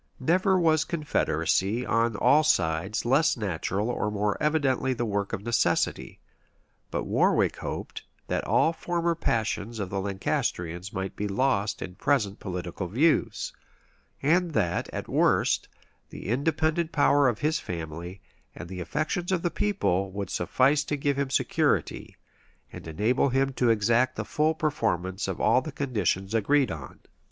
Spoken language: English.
Never was confederacy, on all sides, less natural, or more evidently the work of necessity: but Warwick hoped, that all former passions of the Lancastrians might be lost in present political views; and that, at worst, the independent power of his family, and the affections of the people, would suffice to give him security, and enable him to exact the full performance of all the conditions agreed on.